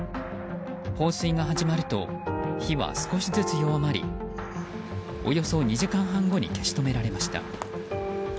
放水が始まると火は少しずつ弱まりおよそ２時間半後に消し止められました。